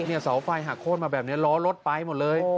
เสาไฟหักโค้นมาแบบนี้ล้อรถไปหมดเลย